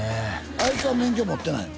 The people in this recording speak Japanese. あいつは免許持ってないの？